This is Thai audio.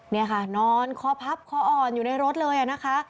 นี่ค่ะนอนคอพับคออ่อนอยู่ในรถเลยนะคะ